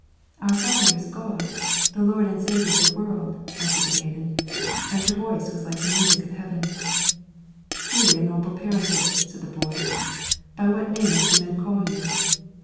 "Our Father is God, the Lord and Saviour of the world," answered the maiden, and her voice was like the music of heaven. "Truly a noble parentage," said the boy. "By what names do men call you?"